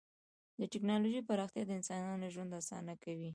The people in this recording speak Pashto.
د ټکنالوژۍ پراختیا د انسانانو ژوند اسانه کوي.